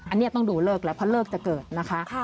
อันนี้ต้องดูเลิกแล้วเพราะเลิกจะเกิดนะคะ